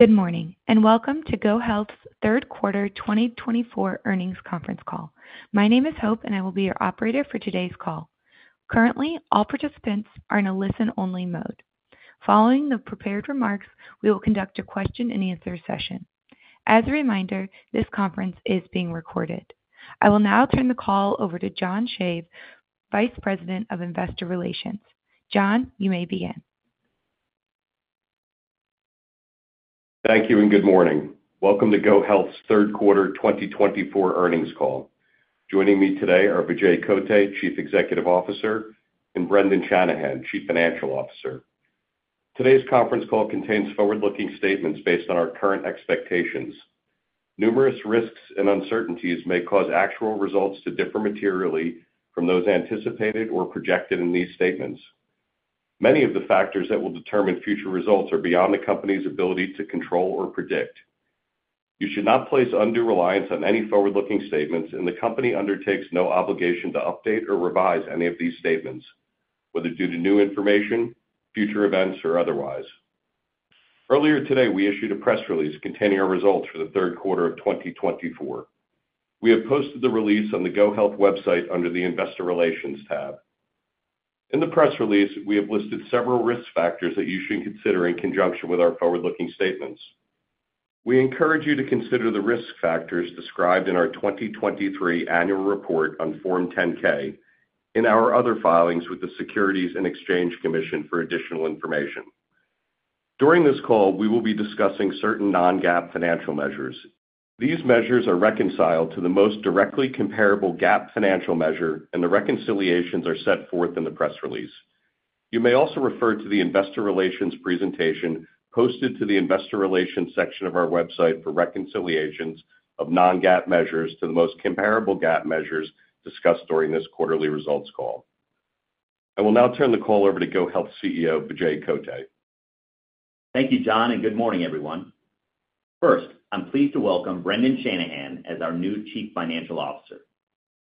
Good morning and welcome to GoHealth's Third Quarter 2024 Earnings Conference Call. My name is Hope, and I will be your operator for today's call. Currently, all participants are in a listen-only mode. Following the prepared remarks, we will conduct a question-and-answer session. As a reminder, this conference is being recorded. I will now turn the call over to John Shave, Vice President of Investor Relations. John, you may begin. Thank you and good morning. Welcome to GoHealth's third quarter 2024 earnings call. Joining me today are Vijay Kotte, Chief Executive Officer, and Brendan Shanahan, Chief Financial Officer. Today's conference call contains forward-looking statements based on our current expectations. Numerous risks and uncertainties may cause actual results to differ materially from those anticipated or projected in these statements. Many of the factors that will determine future results are beyond the company's ability to control or predict. You should not place undue reliance on any forward-looking statements, and the company undertakes no obligation to update or revise any of these statements, whether due to new information, future events, or otherwise. Earlier today, we issued a press release containing our results for the third quarter of 2024. We have posted the release on the GoHealth website under the Investor Relations tab. In the press release, we have listed several risk factors that you should consider in conjunction with our forward-looking statements. We encourage you to consider the risk factors described in our 2023 annual report on Form 10-K in our other filings with the Securities and Exchange Commission for additional information. During this call, we will be discussing certain non-GAAP financial measures. These measures are reconciled to the most directly comparable GAAP financial measure, and the reconciliations are set forth in the press release. You may also refer to the Investor Relations presentation posted to the Investor Relations section of our website for reconciliations of non-GAAP measures to the most comparable GAAP measures discussed during this quarterly results call. I will now turn the call over to GoHealth CEO Vijay Kotte. Thank you, John, and good morning, everyone. First, I'm pleased to welcome Brendan Shanahan as our new Chief Financial Officer.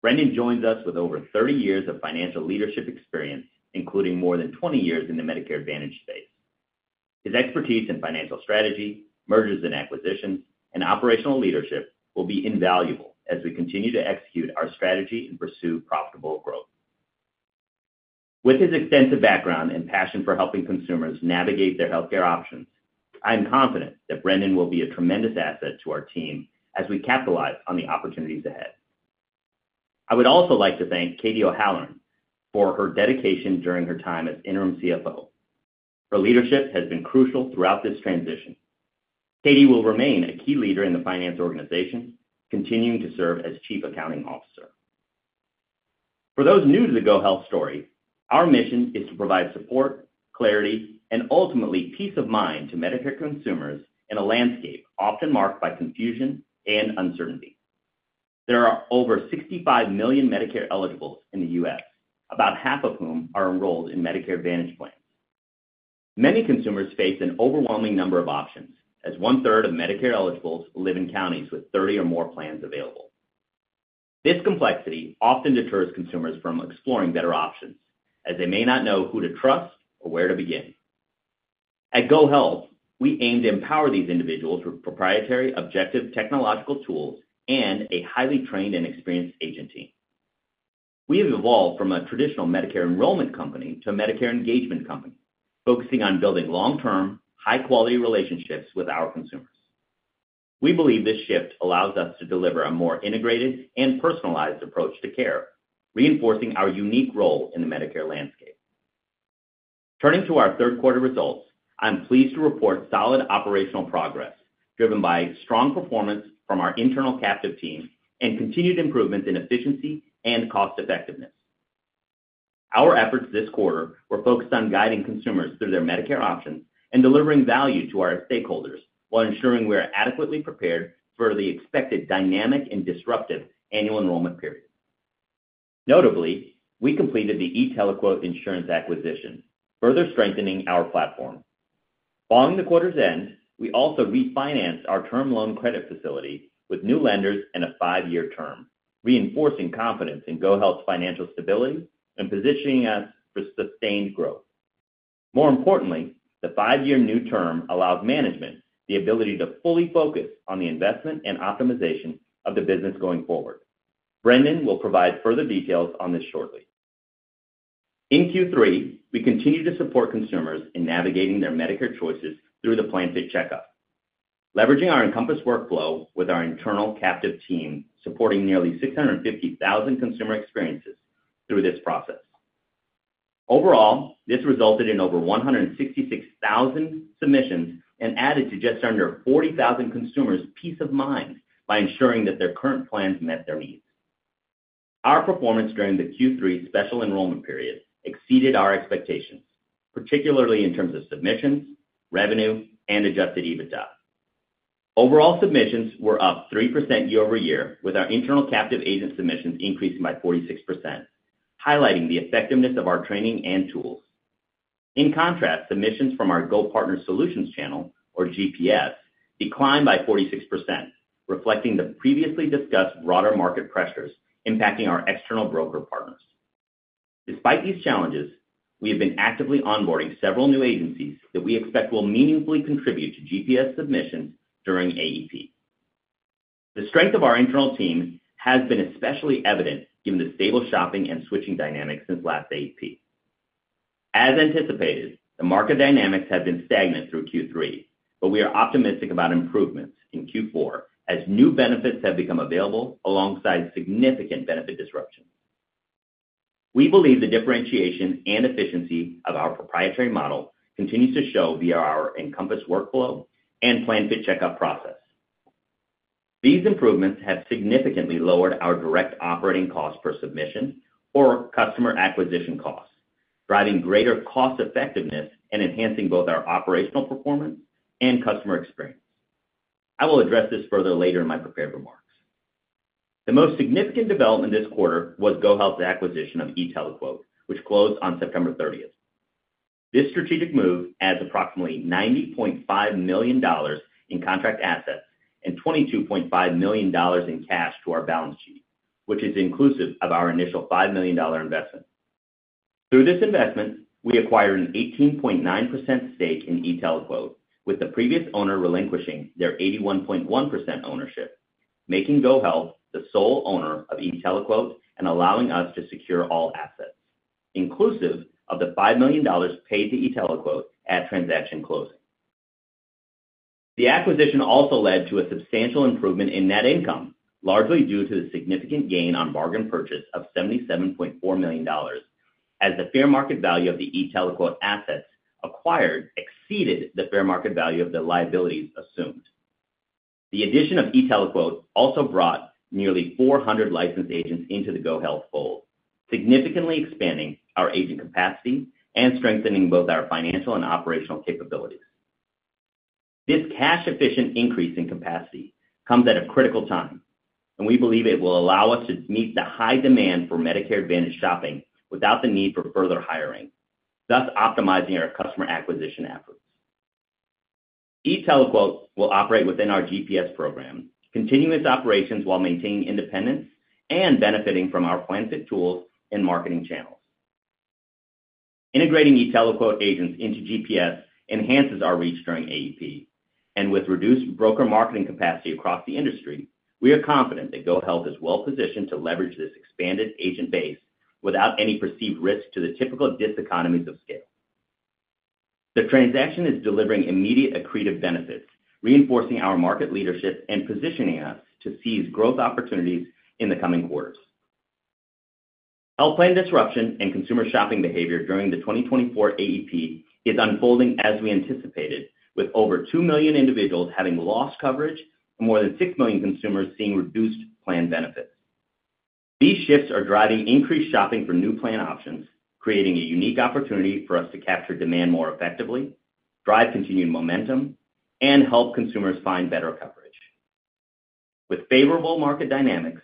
Brendan joins us with over 30 years of financial leadership experience, including more than 20 years in the Medicare Advantage space. His expertise in financial strategy, mergers and acquisitions, and operational leadership will be invaluable as we continue to execute our strategy and pursue profitable growth. With his extensive background and passion for helping consumers navigate their healthcare options, I am confident that Brendan will be a tremendous asset to our team as we capitalize on the opportunities ahead. I would also like to thank Katie O'Halloran for her dedication during her time as interim CFO. Her leadership has been crucial throughout this transition. Katie will remain a key leader in the finance organization, continuing to serve as Chief Accounting Officer. For those new to the GoHealth story, our mission is to provide support, clarity, and ultimately peace of mind to Medicare consumers in a landscape often marked by confusion and uncertainty. There are over 65 million Medicare eligibles in the U.S., about half of whom are enrolled in Medicare Advantage plans. Many consumers face an overwhelming number of options, as one-third of Medicare eligibles live in counties with 30 or more plans available. This complexity often deters consumers from exploring better options, as they may not know who to trust or where to begin. At GoHealth, we aim to empower these individuals with proprietary, objective technological tools and a highly trained and experienced agent team. We have evolved from a traditional Medicare Enrollment company to a Medicare Engagement company, focusing on building long-term, high-quality relationships with our consumers. We believe this shift allows us to deliver a more integrated and personalized approach to care, reinforcing our unique role in the Medicare landscape. Turning to our third quarter results, I'm pleased to report solid operational progress driven by strong performance from our internal captive team and continued improvements in efficiency and cost effectiveness. Our efforts this quarter were focused on guiding consumers through their Medicare options and delivering value to our stakeholders while ensuring we are adequately prepared for the expected dynamic and disruptive annual enrollment period. Notably, we completed the eTeleQuote insurance acquisition, further strengthening our platform. Following the quarter's end, we also refinanced our term loan credit facility with new lenders and a five-year term, reinforcing confidence in GoHealth's financial stability and positioning us for sustained growth. More importantly, the five-year new term allows management the ability to fully focus on the investment and optimization of the business going forward. Brendan will provide further details on this shortly. In Q3, we continue to support consumers in navigating their Medicare choices through the PlanFit Checkout, leveraging our Encompass workflow with our internal captive team, supporting nearly 650,000 consumer experiences through this process. Overall, this resulted in over 166,000 submissions and added to just under 40,000 consumers' peace of mind by ensuring that their current plans met their needs. Our performance during the Q3 Special Enrollment Period exceeded our expectations, particularly in terms of submissions, revenue, and Adjusted EBITDA. Overall submissions were up 3% year-over-year, with our internal captive agent submissions increasing by 46%, highlighting the effectiveness of our training and tools. In contrast, submissions from our GoPartner Solutions channel, or GPS, declined by 46%, reflecting the previously discussed broader market pressures impacting our external broker partners. Despite these challenges, we have been actively onboarding several new agencies that we expect will meaningfully contribute to GPS submissions during AEP. The strength of our internal team has been especially evident given the stable shopping and switching dynamics since last AEP. As anticipated, the market dynamics have been stagnant through Q3, but we are optimistic about improvements in Q4 as new benefits have become available alongside significant benefit disruptions. We believe the differentiation and efficiency of our proprietary model continues to show via our Encompass workflow and PlanFit Checkout process. These improvements have significantly lowered our direct operating costs per submission or customer acquisition costs, driving greater cost effectiveness and enhancing both our operational performance and customer experience. I will address this further later in my prepared remarks. The most significant development this quarter was GoHealth's acquisition of eTeleQuote, which closed on September 30th. This strategic move adds approximately $90.5 million in contract assets and $22.5 million in cash to our balance sheet, which is inclusive of our initial $5 million investment. Through this investment, we acquired an 18.9% stake in eTeleQuote, with the previous owner relinquishing their 81.1% ownership, making GoHealth the sole owner of eTeleQuote and allowing us to secure all assets, inclusive of the $5 million paid to eTeleQuote at transaction closing. The acquisition also led to a substantial improvement in net income, largely due to the significant gain on bargain purchase of $77.4 million, as the fair market value of the eTeleQuote assets acquired exceeded the fair market value of the liabilities assumed. The addition of eTeleQuote also brought nearly 400 licensed agents into the GoHealth fold, significantly expanding our agent capacity and strengthening both our financial and operational capabilities. This cash-efficient increase in capacity comes at a critical time, and we believe it will allow us to meet the high demand for Medicare Advantage shopping without the need for further hiring, thus optimizing our customer acquisition efforts. eTeleQuote will operate within our GPS program, continuing its operations while maintaining independence and benefiting from our PlanFit tools and marketing channels. Integrating eTeleQuote agents into GPS enhances our reach during AEP, and with reduced broker marketing capacity across the industry, we are confident that GoHealth is well positioned to leverage this expanded agent base without any perceived risk to the typical diseconomies of scale. The transaction is delivering immediate accretive benefits, reinforcing our market leadership and positioning us to seize growth opportunities in the coming quarters. Health plan disruption and consumer shopping behavior during the 2024 AEP is unfolding as we anticipated, with over 2 million individuals having lost coverage and more than 6 million consumers seeing reduced plan benefits. These shifts are driving increased shopping for new plan options, creating a unique opportunity for us to capture demand more effectively, drive continued momentum, and help consumers find better coverage. With favorable market dynamics,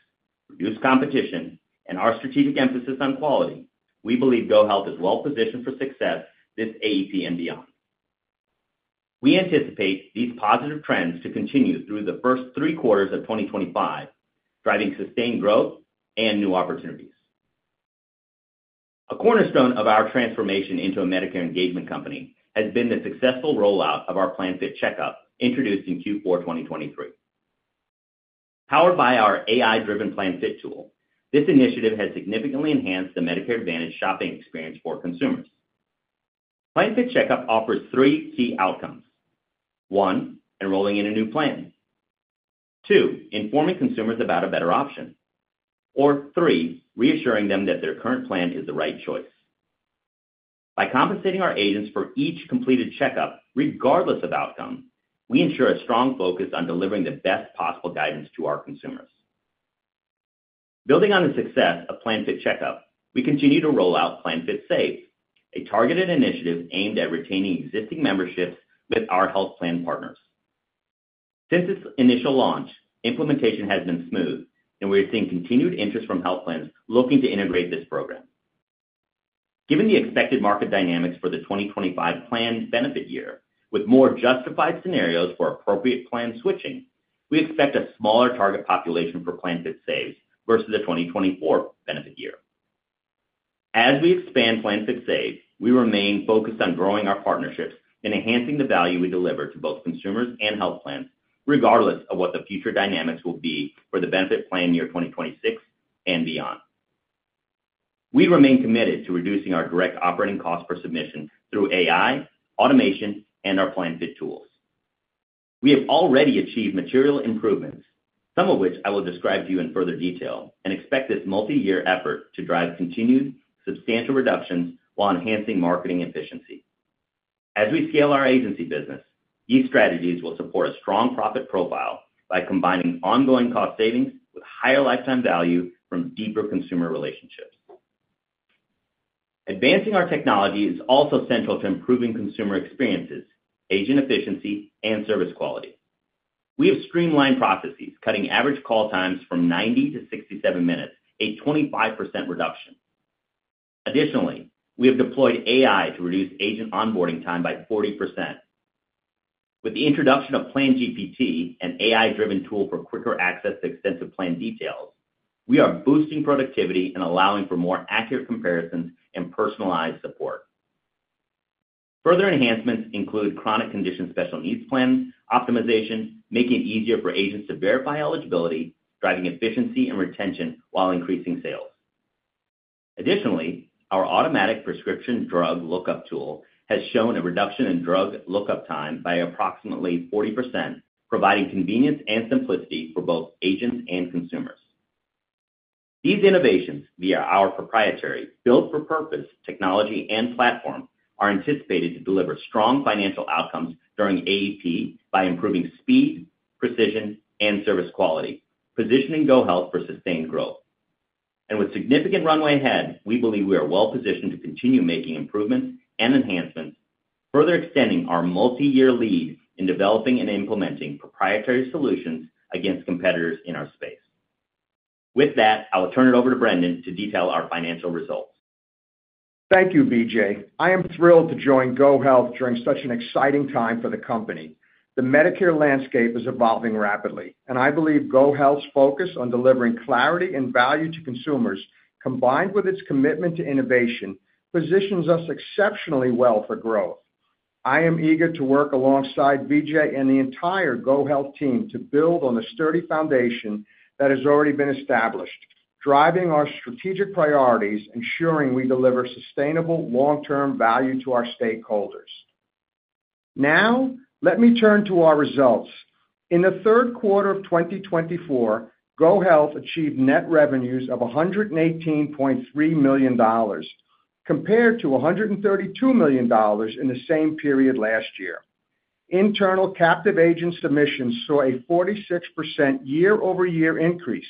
reduced competition, and our strategic emphasis on quality, we believe GoHealth is well positioned for success this AEP and beyond. We anticipate these positive trends to continue through the first three quarters of 2025, driving sustained growth and new opportunities. A cornerstone of our transformation into a Medicare Engagement company has been the successful rollout of our PlanFit Checkout introduced in Q4 2023. Powered by our AI-driven PlanFit tool, this initiative has significantly enhanced the Medicare Advantage shopping experience for consumers. PlanFit Checkout offers three key outcomes: one, enrolling in a new plan, two, informing consumers about a better option, or three, reassuring them that their current plan is the right choice. By compensating our agents for each completed checkout, regardless of outcome, we ensure a strong focus on delivering the best possible guidance to our consumers. Building on the success of PlanFit Checkout, we continue to roll out PlanFit Safe, a targeted initiative aimed at retaining existing memberships with our health plan partners. Since its initial launch, implementation has been smooth, and we are seeing continued interest from health plans looking to integrate this program. Given the expected market dynamics for the 2025 planned benefit year, with more justified scenarios for appropriate plan switching, we expect a smaller target population for PlanFit Safe versus the 2024 benefit year. As we expand PlanFit Safe, we remain focused on growing our partnerships and enhancing the value we deliver to both consumers and health plans, regardless of what the future dynamics will be for the benefit plan year 2026 and beyond. We remain committed to reducing our direct operating costs per submission through AI, automation, and our PlanFit tools. We have already achieved material improvements, some of which I will describe to you in further detail, and expect this multi-year effort to drive continued substantial reductions while enhancing marketing efficiency. As we scale our agency business, these strategies will support a strong profit profile by combining ongoing cost savings with higher lifetime value from deeper consumer relationships. Advancing our technology is also central to improving consumer experiences, agent efficiency, and service quality. We have streamlined processes, cutting average call times from 90 to 67 minutes, a 25% reduction. Additionally, we have deployed AI to reduce agent onboarding time by 40%. With the introduction of PlanGPT, an AI-driven tool for quicker access to extensive plan details, we are boosting productivity and allowing for more accurate comparisons and personalized support. Further enhancements include chronic condition special needs plan optimization, making it easier for agents to verify eligibility, driving efficiency and retention while increasing sales. Additionally, our automatic prescription drug lookup tool has shown a reduction in drug lookup time by approximately 40%, providing convenience and simplicity for both agents and consumers. These innovations, via our proprietary built-for-purpose technology and platform, are anticipated to deliver strong financial outcomes during AEP by improving speed, precision, and service quality, positioning GoHealth for sustained growth. And with significant runway ahead, we believe we are well positioned to continue making improvements and enhancements, further extending our multi-year lead in developing and implementing proprietary solutions against competitors in our space. With that, I will turn it over to Brendan to detail our financial results. Thank you, Vijay. I am thrilled to join GoHealth during such an exciting time for the company. The Medicare landscape is evolving rapidly, and I believe GoHealth's focus on delivering clarity and value to consumers, combined with its commitment to innovation, positions us exceptionally well for growth. `I am eager to work alongside Vijay and the entire GoHealth team to build on the sturdy foundation that has already been established, driving our strategic priorities, ensuring we deliver sustainable long-term value to our stakeholders. Now, let me turn to our results. In the third quarter of 2024, GoHealth achieved net revenues of $118.3 million, compared to $132 million in the same period last year. Internal captive agent submissions saw a 46% year-over-year increase,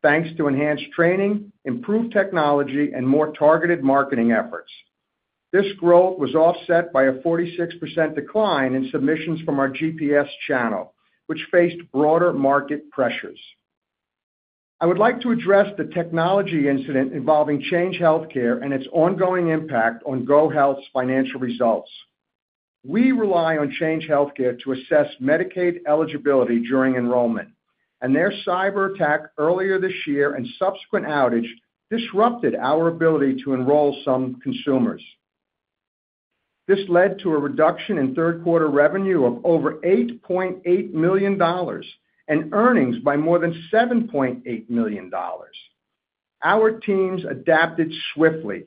thanks to enhanced training, improved technology, and more targeted marketing efforts. This growth was offset by a 46% decline in submissions from our GPS channel, which faced broader market pressures. I would like to address the technology incident involving Change Healthcare and its ongoing impact on GoHealth's financial results. We rely on Change Healthcare to assess Medicaid eligibility during enrollment, and their cyber attack earlier this year and subsequent outage disrupted our ability to enroll some consumers. This led to a reduction in third quarter revenue of over $8.8 million and earnings by more than $7.8 million. Our teams adapted swiftly,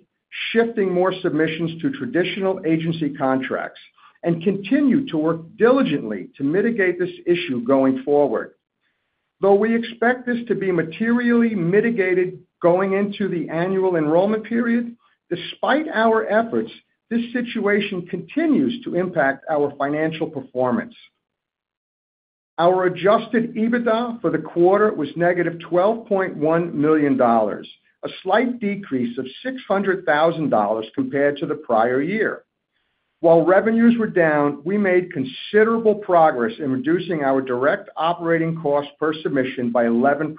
shifting more submissions to traditional agency contracts and continue to work diligently to mitigate this issue going forward. Though we expect this to be materially mitigated going into the annual enrollment period, despite our efforts, this situation continues to impact our financial performance. Our Adjusted EBITDA for the quarter was negative $12.1 million, a slight decrease of $600,000 compared to the prior year. While revenues were down, we made considerable progress in reducing our direct operating costs per submission by 11%,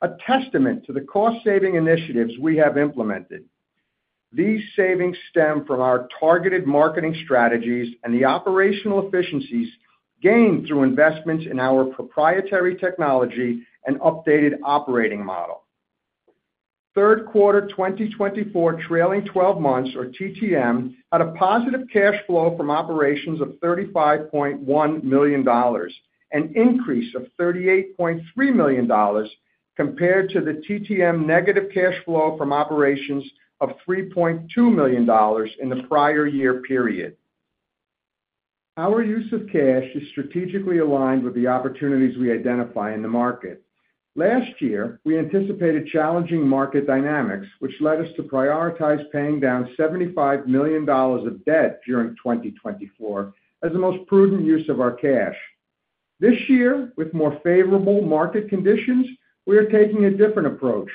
a testament to the cost-saving initiatives we have implemented. These savings stem from our targeted marketing strategies and the operational efficiencies gained through investments in our proprietary technology and updated operating model. Third quarter 2024 trailing 12 months, or TTM, had a positive cash flow from operations of $35.1 million, an increase of $38.3 million compared to the TTM negative cash flow from operations of $3.2 million in the prior year period. Our use of cash is strategically aligned with the opportunities we identify in the market. Last year, we anticipated challenging market dynamics, which led us to prioritize paying down $75 million of debt during 2024 as the most prudent use of our cash. This year, with more favorable market conditions, we are taking a different approach.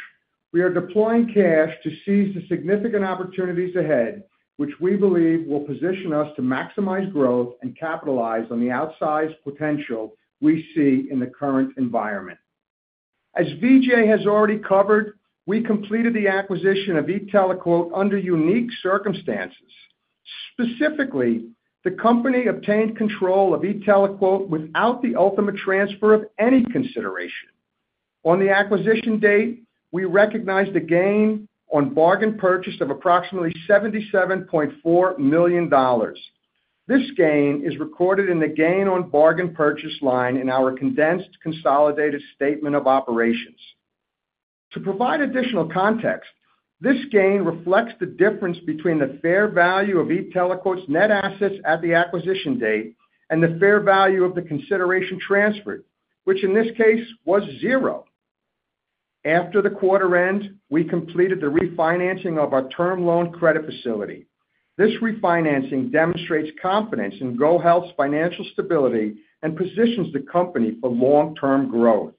We are deploying cash to seize the significant opportunities ahead, which we believe will position us to maximize growth and capitalize on the outsized potential we see in the current environment. As Vijay has already covered, we completed the acquisition of eTeleQuote under unique circumstances. Specifically, the company obtained control of eTeleQuote without the ultimate transfer of any consideration. On the acquisition date, we recognized a gain on bargain purchase of approximately $77.4 million. This gain is recorded in the gain on bargain purchase line in our condensed consolidated statement of operations. To provide additional context, this gain reflects the difference between the fair value of eTeleQuote's net assets at the acquisition date and the fair value of the consideration transferred, which in this case was zero. After the quarter ended, we completed the refinancing of our term loan credit facility. This refinancing demonstrates confidence in GoHealth's financial stability and positions the company for long-term growth.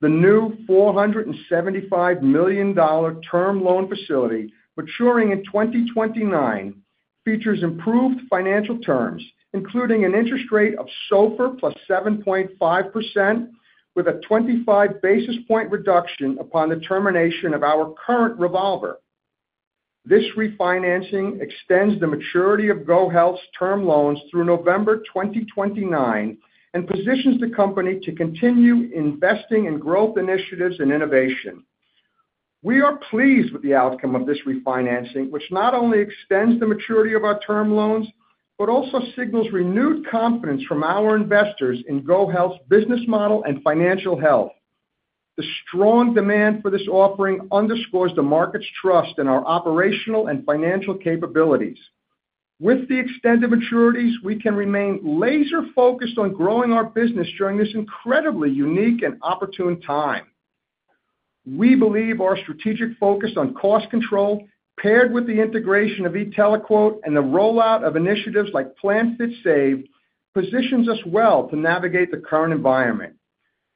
The new $475 million term loan facility maturing in 2029 features improved financial terms, including an interest rate of SOFR plus 7.5%, with a 25 basis points reduction upon the termination of our current revolver. This refinancing extends the maturity of GoHealth's term loans through November 2029 and positions the company to continue investing in growth initiatives and innovation. We are pleased with the outcome of this refinancing, which not only extends the maturity of our term loans, but also signals renewed confidence from our investors in GoHealth's business model and financial health. The strong demand for this offering underscores the market's trust in our operational and financial capabilities. With the extended maturities, we can remain laser-focused on growing our business during this incredibly unique and opportune time. We believe our strategic focus on cost control, paired with the integration of eTeleQuote and the rollout of initiatives like PlanFit Safe, positions us well to navigate the current environment.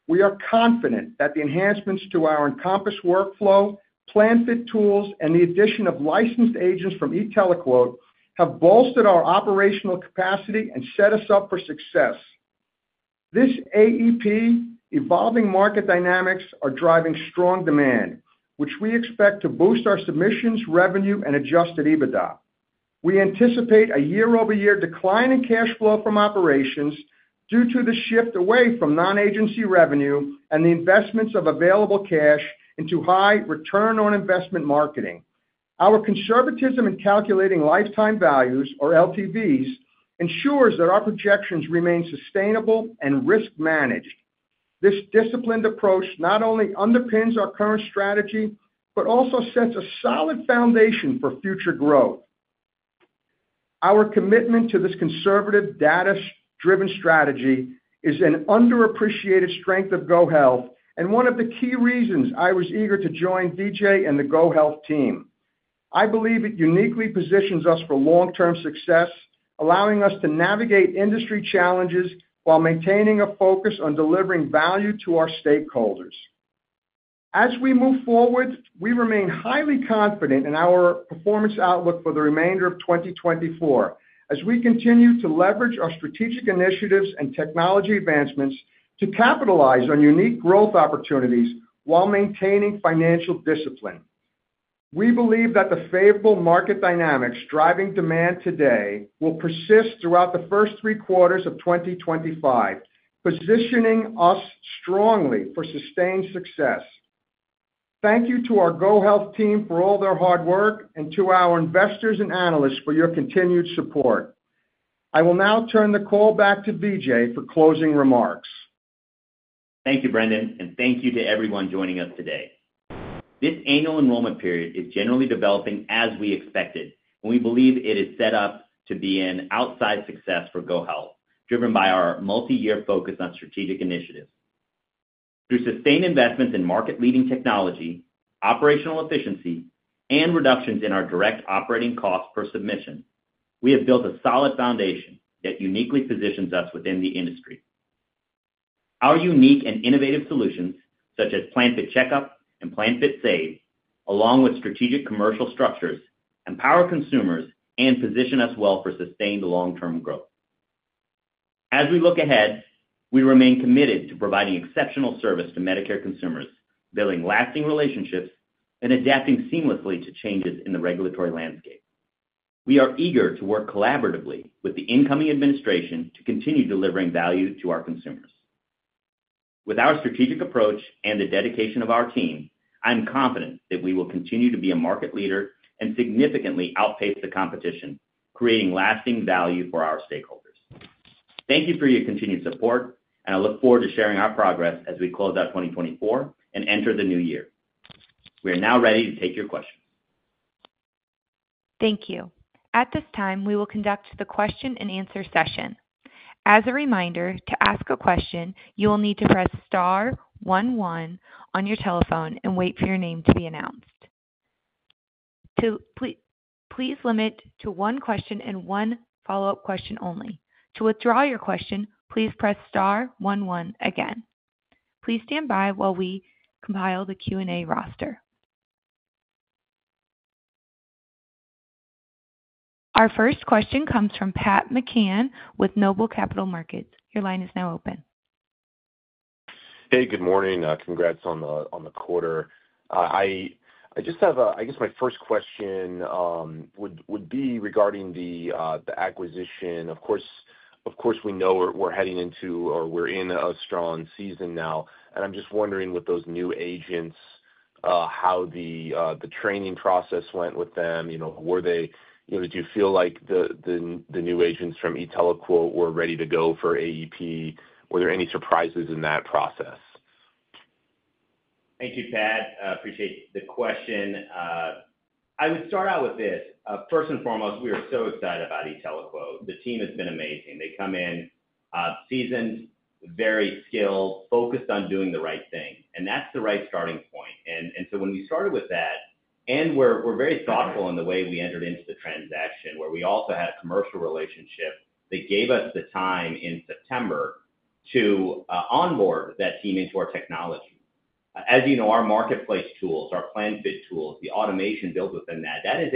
We are confident that the enhancements to our Encompass workflow, PlanFit tools, and the addition of licensed agents from eTeleQuote have bolstered our operational capacity and set us up for success. This AEP, evolving market dynamics are driving strong demand, which we expect to boost our submissions, revenue, and Adjusted EBITDA. We anticipate a year-over-year decline in cash flow from operations due to the shift away from non-agency revenue and the investments of available cash into high return on investment marketing. Our conservatism in calculating lifetime values, or LTVs, ensures that our projections remain sustainable and risk-managed. This disciplined approach not only underpins our current strategy, but also sets a solid foundation for future growth. Our commitment to this conservative, data-driven strategy is an underappreciated strength of GoHealth and one of the key reasons I was eager to join Vijay and the GoHealth team. I believe it uniquely positions us for long-term success, allowing us to navigate industry challenges while maintaining a focus on delivering value to our stakeholders. As we move forward, we remain highly confident in our performance outlook for the remainder of 2024, as we continue to leverage our strategic initiatives and technology advancements to capitalize on unique growth opportunities while maintaining financial discipline. We believe that the favorable market dynamics driving demand today will persist throughout the first three quarters of 2025, positioning us strongly for sustained success. Thank you to our GoHealth team for all their hard work and to our investors and analysts for your continued support. I will now turn the call back to Vijay for closing remarks. Thank you, Brendan, and thank you to everyone joining us today. This annual enrollment period is generally developing as we expected, and we believe it is set up to be an outsize success for GoHealth, driven by our multi-year focus on strategic initiatives. Through sustained investments in market-leading technology, operational efficiency, and reductions in our direct operating costs per submission, we have built a solid foundation that uniquely positions us within the industry. Our unique and innovative solutions, such as PlanFit Checkout and PlanFit Safe, along with strategic commercial structures, empower consumers and position us well for sustained long-term growth. As we look ahead, we remain committed to providing exceptional service to Medicare consumers, building lasting relationships, and adapting seamlessly to changes in the regulatory landscape. We are eager to work collaboratively with the incoming administration to continue delivering value to our consumers. With our strategic approach and the dedication of our team, I'm confident that we will continue to be a market leader and significantly outpace the competition, creating lasting value for our stakeholders. Thank you for your continued support, and I look forward to sharing our progress as we close out 2024 and enter the new year. We are now ready to take your questions. Thank you. At this time, we will conduct the question-and-answer session. As a reminder, to ask a question, you will need to press star one, one on your telephone and wait for your name to be announced. Please limit to one question and one follow-up question only. To withdraw your question, please press star one, one again. Please stand by while we compile the Q&A roster. Our first question comes from Pat McCann with Noble Capital Markets. Your line is now open. Hey, good morning. Congrats on the quarter. I just have, I guess, my first question would be regarding the acquisition. Of course, we know we're heading into, or we're in a strong season now, and I'm just wondering with those new agents, how the training process went with them. Did you feel like the new agents from eTeleQuote were ready to go for AEP? Were there any surprises in that process? Thank you, Pat. Appreciate the question. I would start out with this. First and foremost, we are so excited about eTeleQuote. The team has been amazing. They come in seasoned, very skilled, focused on doing the right thing, and that's the right starting point. And so when we started with that, and we're very thoughtful in the way we entered into the transaction, where we also had a commercial relationship. They gave us the time in September to onboard that team into our technology. As you know, our marketplace tools, our PlanFit tools, the automation built within that, that is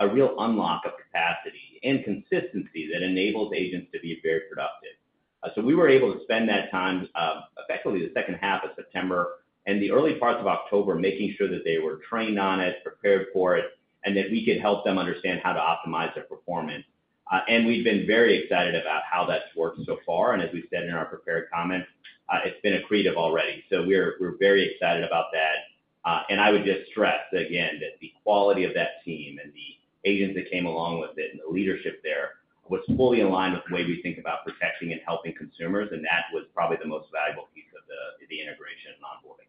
a real unlock of capacity and consistency that enables agents to be very productive. So we were able to spend that time, effectively the second half of September and the early parts of October, making sure that they were trained on it, prepared for it, and that we could help them understand how to optimize their performance. And we've been very excited about how that's worked so far, and as we said in our prepared comment, it's been accretive already. So we're very excited about that. I would just stress again that the quality of that team and the agents that came along with it and the leadership there was fully aligned with the way we think about protecting and helping consumers, and that was probably the most valuable piece of the integration and onboarding.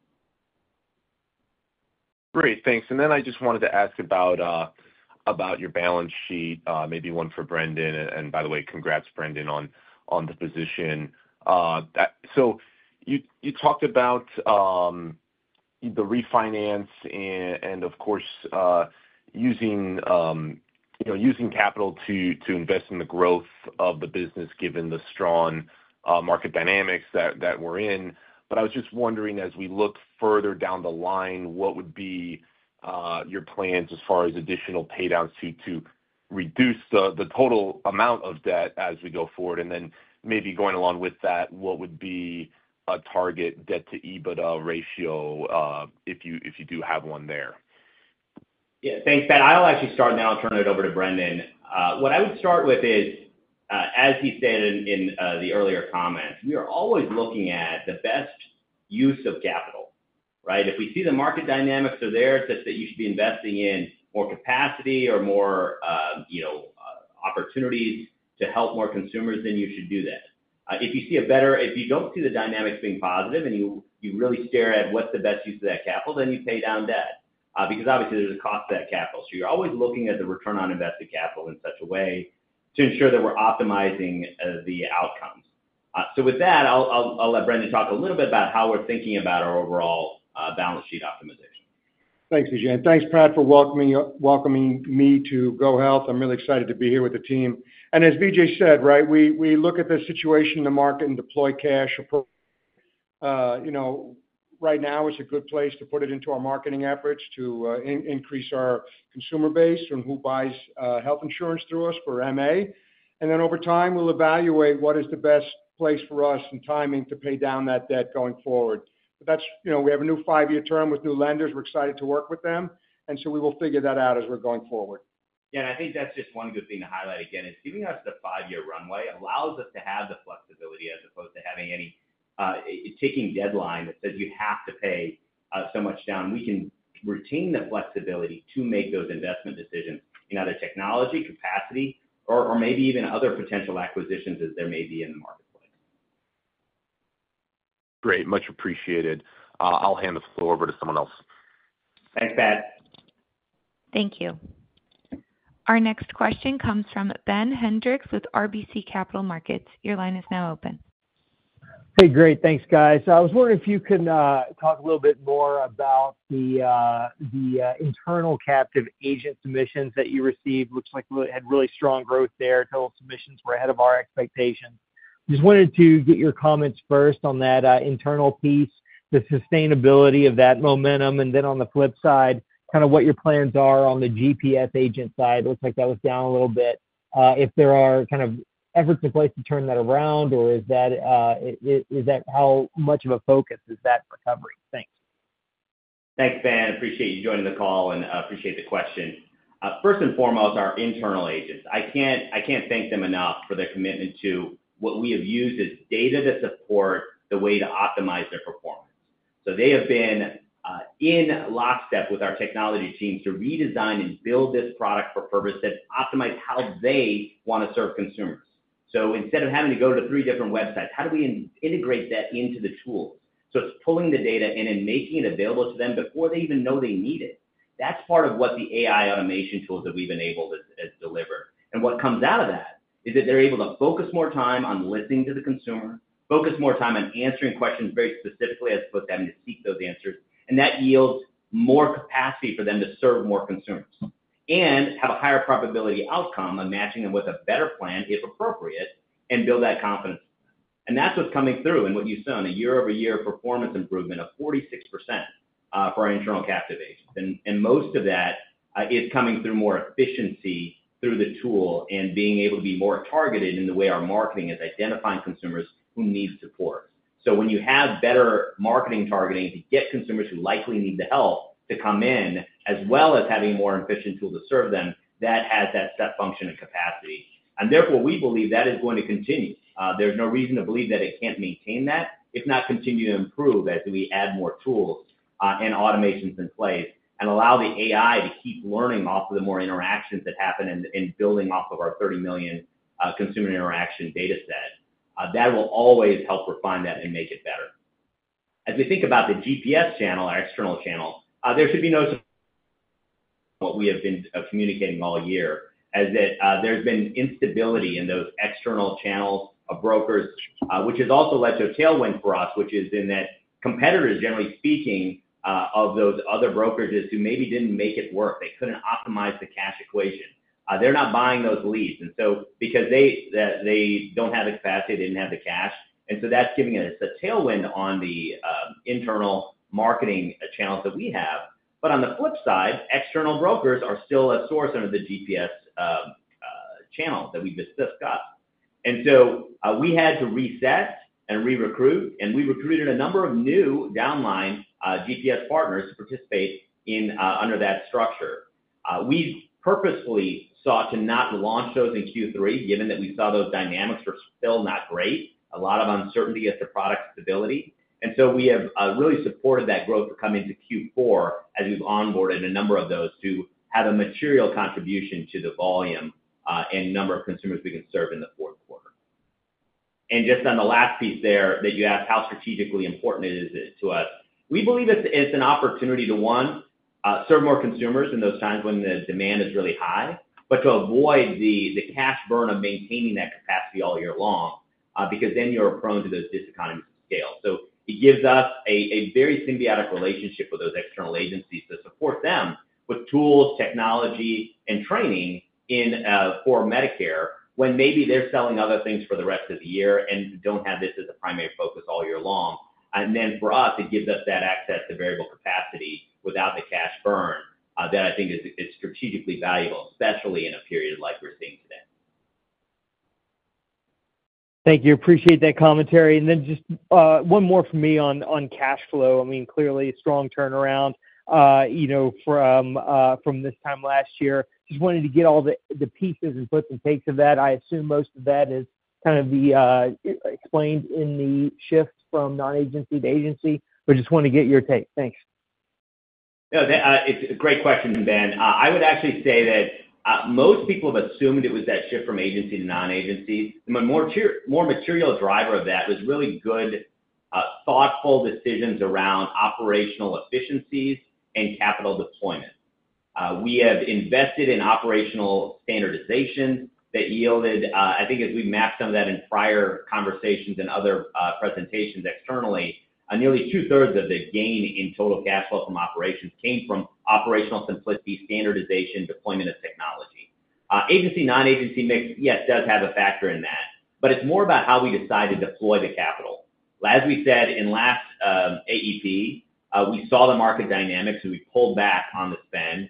Great. Thanks. Then I just wanted to ask about your balance sheet, maybe one for Brendan, and by the way, congrats, Brendan, on the position. So you talked about the refinance and, of course, using capital to invest in the growth of the business, given the strong market dynamics that we're in. But I was just wondering, as we look further down the line, what would be your plans as far as additional paydowns to reduce the total amount of debt as we go forward? Then maybe going along with that, what would be a target debt-to-EBITDA ratio if you do have one there? Yeah. Thanks, Pat. I'll actually start now and turn it over to Brendan. What I would start with is, as he said in the earlier comments, we are always looking at the best use of capital, right? If we see the market dynamics are there such that you should be investing in more capacity or more opportunities to help more consumers, then you should do that. If you see a better, if you don't see the dynamics being positive and you really stare at what's the best use of that capital, then you pay down debt. Because obviously, there's a cost to that capital. So you're always looking at the return on invested capital in such a way to ensure that we're optimizing the outcomes. So with that, I'll let Brendan talk a little bit about how we're thinking about our overall balance sheet optimization. Thanks, Vijay, and thanks, Pat, for welcoming me to GoHealth. I'm really excited to be here with the team, and as Vijay said, right, we look at the situation in the market and deploy cash. Right now, it's a good place to put it into our marketing efforts to increase our consumer base and who buys health insurance through us for MA, and then over time, we'll evaluate what is the best place for us and timing to pay down that debt going forward, but we have a new five-year term with new lenders. We're excited to work with them, and so we will figure that out as we're going forward. And I think that's just one good thing to highlight again is giving us the five-year runway allows us to have the flexibility as opposed to taking a deadline that says you have to pay so much down. We can retain the flexibility to make those investment decisions in either technology, capacity, or maybe even other potential acquisitions as there may be in the marketplace. Great. Much appreciated. I'll hand the floor over to someone else. Thanks, Pat. Thank you. Our next question comes from Ben Hendrix with RBC Capital Markets. Your line is now open. Hey, great. Thanks, guys. I was wondering if you could talk a little bit more about the internal captive agent submissions that you received. Looks like we had really strong growth there. Total submissions were ahead of our expectations. Just wanted to get your comments first on that internal piece, the sustainability of that momentum, and then on the flip side, kind of what your plans are on the GPS agent side. It looks like that was down a little bit. If there are kind of efforts in place to turn that around, or is that how much of a focus is that recovery? Thanks. Thanks, Ben. Appreciate you joining the call and appreciate the question. First and foremost, our internal agents. I can't thank them enough for their commitment to what we have used as data to support the way to optimize their performance. So they have been in lockstep with our technology teams to redesign and build this product for purpose that optimizes how they want to serve consumers. So instead of having to go to three different websites, how do we integrate that into the tools? So it's pulling the data in and making it available to them before they even know they need it. That's part of what the AI automation tools that we've enabled have delivered. And what comes out of that is that they're able to focus more time on listening to the consumer, focus more time on answering questions very specifically as opposed to having to seek those answers. And that yields more capacity for them to serve more consumers and have a higher probability outcome on matching them with a better plan, if appropriate, and build that confidence. And that's what's coming through in what you saw in a year-over-year performance improvement of 46% for our internal captive agents. And most of that is coming through more efficiency through the tool and being able to be more targeted in the way our marketing is identifying consumers who need support. So when you have better marketing targeting to get consumers who likely need the help to come in, as well as having a more efficient tool to serve them, that has that step function and capacity. And therefore, we believe that is going to continue. There's no reason to believe that it can't maintain that, if not continue to improve as we add more tools and automations in place and allow the AI to keep learning off of the more interactions that happen and building off of our 30 million consumer interaction data set. That will always help refine that and make it better. As we think about the GPS channel, our external channel, there should be no surprise in what we have been communicating all year as that there's been instability in those external channels of brokers, which has also led to a tailwind for us, which is in that competitors, generally speaking, of those other brokers is who maybe didn't make it work. They couldn't optimize the cash equation. They're not buying those leads, and so because they don't have the capacity, they didn't have the cash, and so that's giving us a tailwind on the internal marketing channels that we have, but on the flip side, external brokers are still a source under the GPS channel that we've discussed, and so we had to reset and re-recruit, and we recruited a number of new downline GPS partners to participate under that structure. We purposefully sought to not launch those in Q3, given that we saw those dynamics were still not great, a lot of uncertainty as to product stability. And so we have really supported that growth to come into Q4 as we've onboarded a number of those to have a material contribution to the volume and number of consumers we can serve in the fourth quarter. And just on the last piece there that you asked how strategically important it is to us, we believe it's an opportunity to, one, serve more consumers in those times when the demand is really high, but to avoid the cash burn of maintaining that capacity all year long because then you're prone to those diseconomies of scale. So it gives us a very symbiotic relationship with those external agencies to support them with tools, technology, and training for Medicare when maybe they're selling other things for the rest of the year and don't have this as a primary focus all year long. And then for us, it gives us that access to variable capacity without the cash burn that I think is strategically valuable, especially in a period like we're seeing today. Thank you. Appreciate that commentary. And then just one more from me on cash flow. I mean, clearly, strong turnaround from this time last year. Just wanted to get all the pieces and puts and takes of that. I assume most of that is kind of explained in the shift from non-agency to agency, but just wanted to get your take. Thanks. No, it's a great question, Ben. I would actually say that most people have assumed it was that shift from agency to non-agency. The more material driver of that was really good, thoughtful decisions around operational efficiencies and capital deployment. We have invested in operational standardization that yielded, I think as we've mapped some of that in prior conversations and other presentations externally, nearly two-thirds of the gain in total cash flow from operations came from operational simplicity, standardization, deployment of technology. Agency, non-agency mix, yes, does have a factor in that, but it's more about how we decide to deploy the capital. As we said in last AEP, we saw the market dynamics and we pulled back on the spend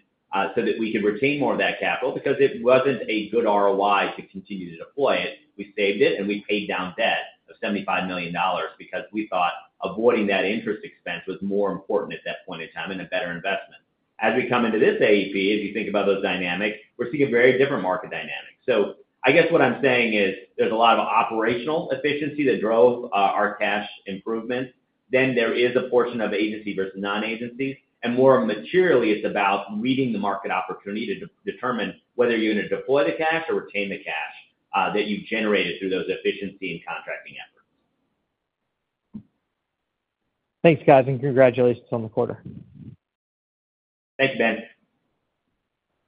so that we could retain more of that capital because it wasn't a good ROI to continue to deploy it. We saved it and we paid down debt of $75 million because we thought avoiding that interest expense was more important at that point in time and a better investment. As we come into this AEP, as you think about those dynamics, we're seeing a very different market dynamic. So I guess what I'm saying is there's a lot of operational efficiency that drove our cash improvement. Then there is a portion of agency versus non-agency. And more materially, it's about meeting the market opportunity to determine whether you're going to deploy the cash or retain the cash that you've generated through those efficiency and contracting efforts. Thanks, guys, and congratulations on the quarter. Thanks, Ben.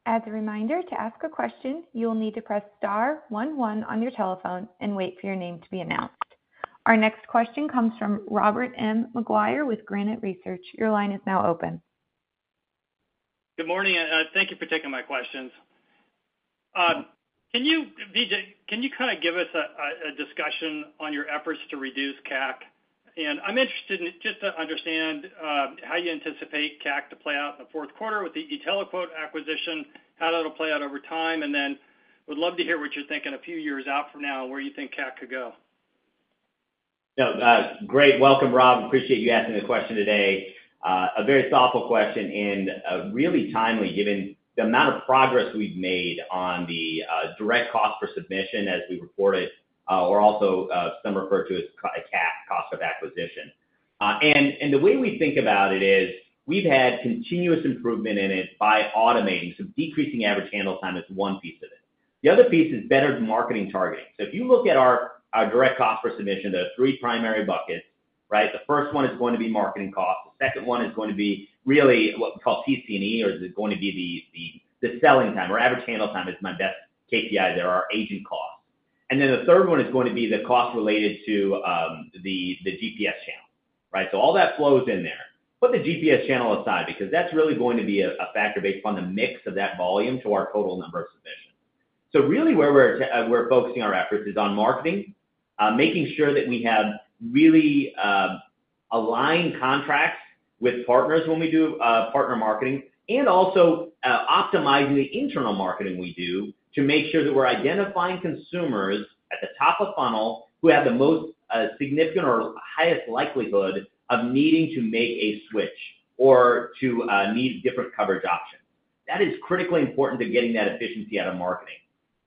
As a reminder, to ask a question, you will need to press star one, one on your telephone and wait for your name to be announced. Our next question comes from Robert M. McGuire with Granite Research. Your line is now open. Good morning. Thank you for taking my questions. Vijay, can you kind of give us a discussion on your efforts to reduce CAC? And I'm interested in just to understand how you anticipate CAC to play out in the fourth quarter with the eTeleQuote acquisition, how that'll play out over time, and then would love to hear what you're thinking a few years out from now and where you think CAC could go. Yeah. Great. Welcome, Rob. Appreciate you asking the question today. A very thoughtful question and really timely given the amount of progress we've made on the direct cost per submission as we report it, or also some refer to it as CAC, cost of acquisition. And the way we think about it is we've had continuous improvement in it by automating. So decreasing average handle time is one piece of it. The other piece is better marketing targeting. So if you look at our direct cost per submission, there are three primary buckets, right? The first one is going to be marketing costs. The second one is going to be really what we call TC&E, or is it going to be the selling time? Our average handle time is my best KPI there, our agent costs. And then the third one is going to be the cost related to the GPS channel, right? So all that flows in there. Put the GPS channel aside because that's really going to be a factor based upon the mix of that volume to our total number of submissions. So really where we're focusing our efforts is on marketing, making sure that we have really aligned contracts with partners when we do partner marketing, and also optimizing the internal marketing we do to make sure that we're identifying consumers at the top of funnel who have the most significant or highest likelihood of needing to make a switch or to need different coverage options. That is critically important to getting that efficiency out of marketing.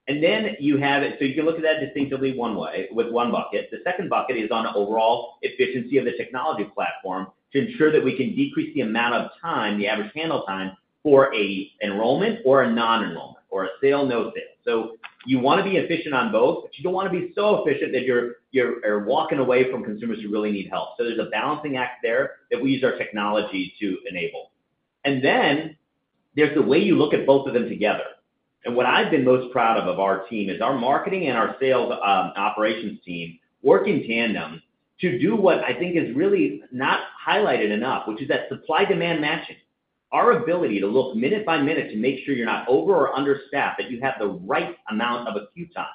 And then you have it. So you can look at that distinctively one way with one bucket. The second bucket is on overall efficiency of the technology platform to ensure that we can decrease the amount of time, the average handle time for an enrollment or a non-enrollment or a sale/no sale. So you want to be efficient on both, but you don't want to be so efficient that you're walking away from consumers who really need help. So there's a balancing act there that we use our technology to enable. And then there's the way you look at both of them together. And what I've been most proud of our team is our marketing and our sales operations team work in tandem to do what I think is really not highlighted enough, which is that supply-demand matching. Our ability to look minute by minute to make sure you're not over or understaffed, that you have the right amount of queue time,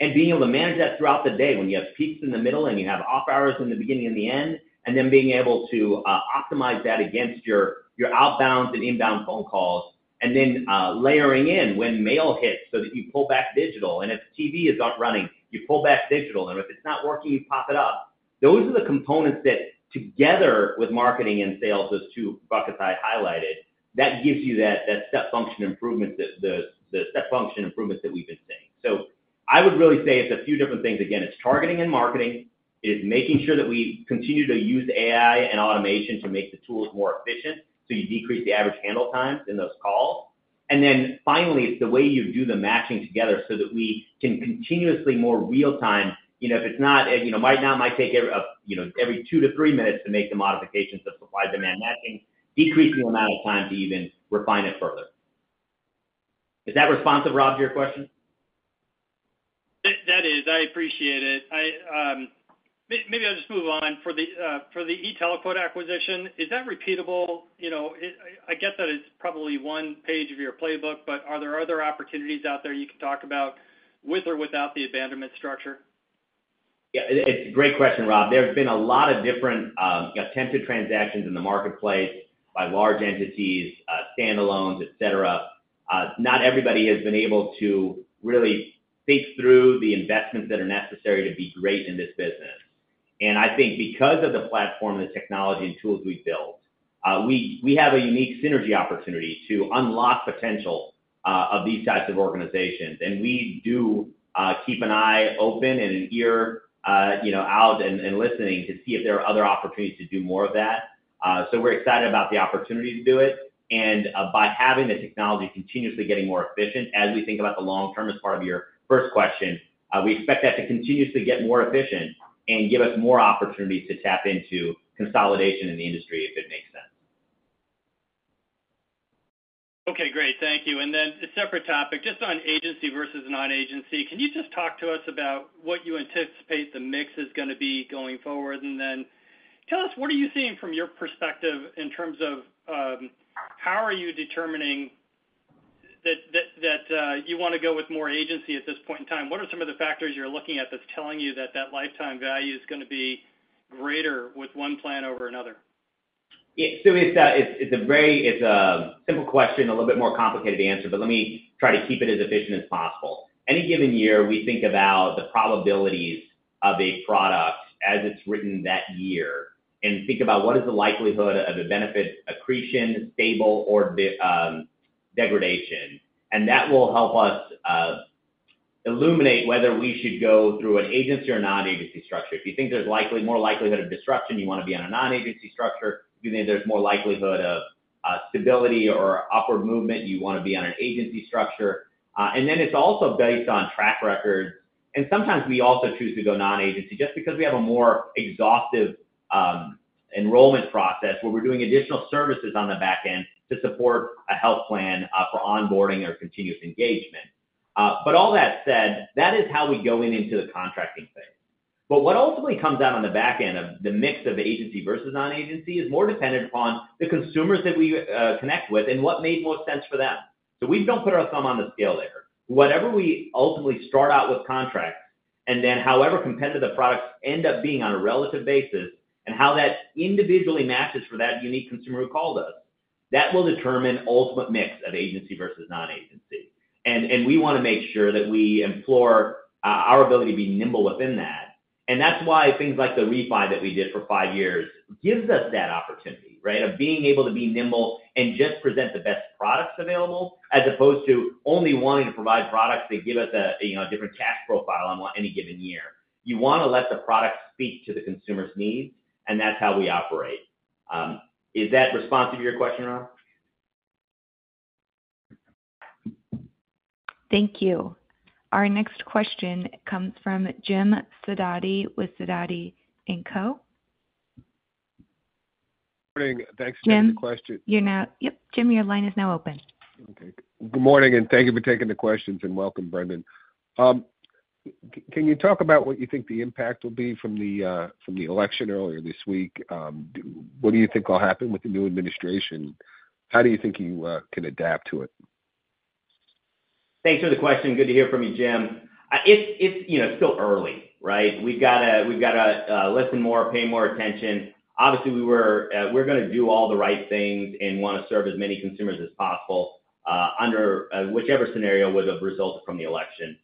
and being able to manage that throughout the day when you have peaks in the middle and you have off hours in the beginning and the end, and then being able to optimize that against your outbound and inbound phone calls, and then layering in when mail hits so that you pull back digital. And if TV is not running, you pull back digital. And if it's not working, you pop it up. Those are the components that, together with marketing and sales, those two buckets I highlighted, that gives you that step function improvement, the step function improvements that we've been seeing. So I would really say it's a few different things. Again, it's targeting and marketing. It is making sure that we continue to use AI and automation to make the tools more efficient so you decrease the average handle time in those calls, and then finally, it's the way you do the matching together so that we can continuously more real-time. If it's not, it might not take every two to three minutes to make the modifications of supply-demand matching, decrease the amount of time to even refine it further. Is that responsive, Rob, to your question? That is. I appreciate it. Maybe I'll just move on. For the eTeleQuote acquisition, is that repeatable? I guess that is probably one page of your playbook, but are there other opportunities out there you can talk about with or without the abandonment structure? Yeah. It's a great question, Rob. There's been a lot of different attempted transactions in the marketplace by large entities, standalones, etc. Not everybody has been able to really think through the investments that are necessary to be great in this business, and I think because of the platform and the technology and tools we've built, we have a unique synergy opportunity to unlock potential of these types of organizations, and we do keep an eye open and an ear out and listening to see if there are other opportunities to do more of that, so we're excited about the opportunity to do it, and by having the technology continuously getting more efficient, as we think about the long term as part of your first question, we expect that to continuously get more efficient and give us more opportunities to tap into consolidation in the industry, if it makes sense. Okay. Great. Thank you. And then a separate topic, just on agency versus non-agency. Can you just talk to us about what you anticipate the mix is going to be going forward? And then tell us, what are you seeing from your perspective in terms of how are you determining that you want to go with more agency at this point in time? What are some of the factors you're looking at that's telling you that that lifetime value is going to be greater with one plan over another? Yeah. So it's a simple question, a little bit more complicated to answer, but let me try to keep it as efficient as possible. Any given year, we think about the probabilities of a product as it's written that year and think about what is the likelihood of a benefit accretion, stable, or degradation. And that will help us illuminate whether we should go through an agency or non-agency structure. If you think there's more likelihood of disruption, you want to be on a non-agency structure. If you think there's more likelihood of stability or upward movement, you want to be on an agency structure. And then it's also based on track records. And sometimes we also choose to go non-agency just because we have a more exhaustive enrollment process where we're doing additional services on the back end to support a health plan for onboarding or continuous engagement. But all that said, that is how we go into the contracting thing. But what ultimately comes out on the back end of the mix of agency versus non-agency is more dependent upon the consumers that we connect with and what made more sense for them. So we don't put our thumb on the scale there. Whatever we ultimately start out with contracts and then however competitive the products end up being on a relative basis and how that individually matches for that unique consumer who called us, that will determine the ultimate mix of agency versus non-agency. And we want to make sure that we employ our ability to be nimble within that. And that's why things like the refi that we did for five years gives us that opportunity, right, of being able to be nimble and just present the best products available as opposed to only wanting to provide products that give us a different cash profile on any given year. You want to let the product speak to the consumer's needs, and that's how we operate. Is that responsive to your question, Rob? Thank you. Our next question comes from Jim Sidoti with Sidoti & Co Morning. Thanks for the question. Yep. Jim, your line is now open. Okay. Good morning, and thank you for taking the questions and welcome, Brendan. Can you talk about what you think the impact will be from the election earlier this week? What do you think will happen with the new administration? How do you think you can adapt to it? Thanks for the question. Good to hear from you, Jim. It's still early, right? We've got to listen more, pay more attention. Obviously, we're going to do all the right things and want to serve as many consumers as possible under whichever scenario would have resulted from the election.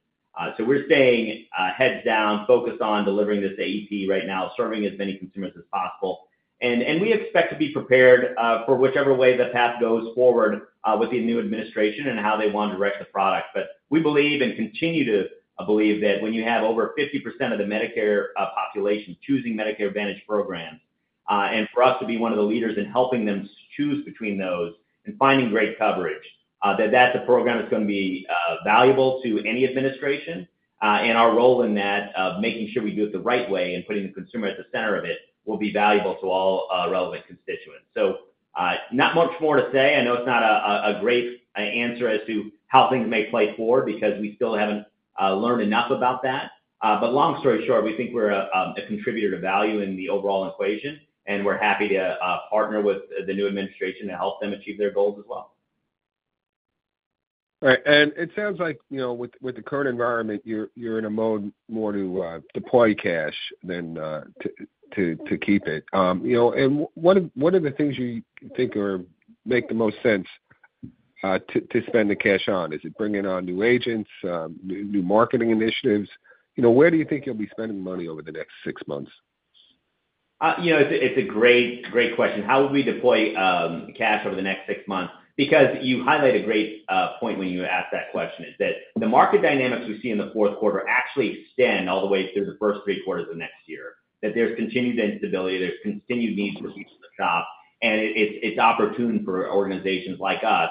So we're staying heads down, focused on delivering this AEP right now, serving as many consumers as possible. And we expect to be prepared for whichever way the path goes forward with the new administration and how they want to direct the product. But we believe and continue to believe that when you have over 50% of the Medicare population choosing Medicare Advantage programs, and for us to be one of the leaders in helping them choose between those and finding great coverage, that that's a program that's going to be valuable to any administration. And our role in that of making sure we do it the right way and putting the consumer at the center of it will be valuable to all relevant constituents. So not much more to say. I know it's not a great answer as to how things may play forward because we still haven't learned enough about that. Long story short, we think we're a contributor to value in the overall equation, and we're happy to partner with the new administration to help them achieve their goals as well. Right. And it sounds like with the current environment, you're in a mode more to deploy cash than to keep it. And what are the things you think make the most sense to spend the cash on? Is it bringing on new agents, new marketing initiatives? Where do you think you'll be spending the money over the next six months? It's a great question. How will we deploy cash over the next six months? Because you highlight a great point when you asked that question, is that the market dynamics we see in the fourth quarter actually extend all the way through the first three quarters of next year, that there's continued instability, there's continued need for people to shop, and it's opportune for organizations like us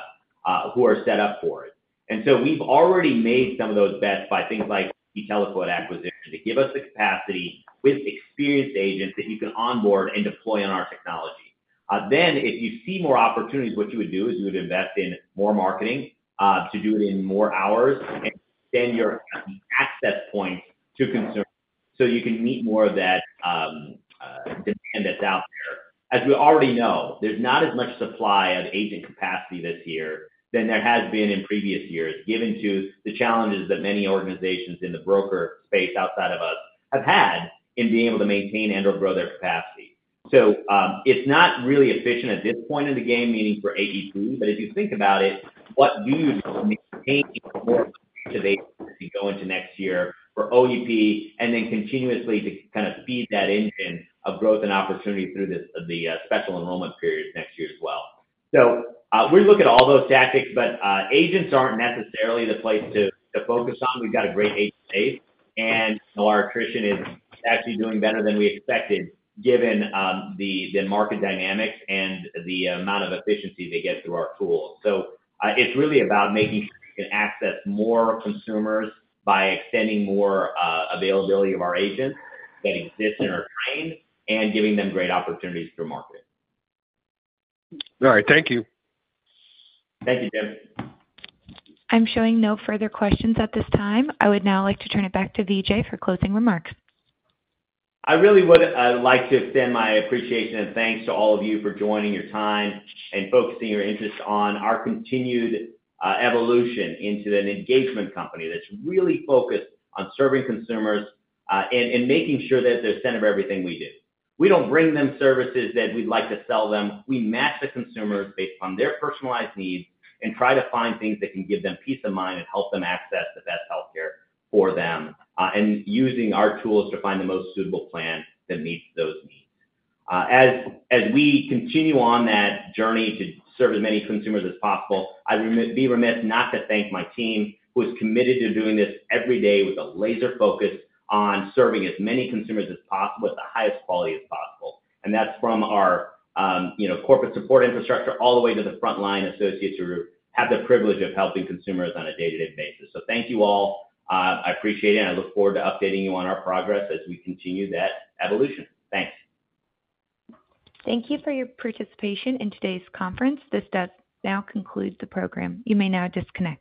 who are set up for it. And so we've already made some of those bets by things like eTeleQuote acquisition to give us the capacity with experienced agents that you can onboard and deploy on our technology. Then if you see more opportunities, what you would do is you would invest in more marketing to do it in more hours and extend your access points to consumers so you can meet more of that demand that's out there. As we already know, there's not as much supply of agent capacity this year than there has been in previous years, given the challenges that many organizations in the broker space outside of us have had in being able to maintain and/or grow their capacity. So it's not really efficient at this point in the game, meaning for AEP, but if you think about it, what do you need to maintain more of the agents as you go into next year for OEP and then continuously to kind of feed that engine of growth and opportunity through the special enrollment period next year as well? So we look at all those tactics, but agents aren't necessarily the place to focus on. We've got a great agent base, and our attrition is actually doing better than we expected given the market dynamics and the amount of efficiency they get through our tools. So it's really about making sure we can access more consumers by extending more availability of our agents that exist in our trained and giving them great opportunities through marketing. All right. Thank you. Thank you, Jim. I'm showing no further questions at this time. I would now like to turn it back to Vijay for closing remarks. I really would like to extend my appreciation and thanks to all of you for joining your time and focusing your interest on our continued evolution into an engagement company that's really focused on serving consumers and making sure that they're centered everything we do. We don't bring them services that we'd like to sell them. We match the consumers based on their personalized needs and try to find things that can give them peace of mind and help them access the best healthcare for them, and using our tools to find the most suitable plan that meets those needs. As we continue on that journey to serve as many consumers as possible, I'd be remiss not to thank my team who is committed to doing this every day with a laser focus on serving as many consumers as possible with the highest quality as possible. And that's from our corporate support infrastructure all the way to the frontline associates who have the privilege of helping consumers on a day-to-day basis. So thank you all. I appreciate it, and I look forward to updating you on our progress as we continue that evolution. Thanks. Thank you for your participation in today's conference. This does now conclude the program. You may now disconnect.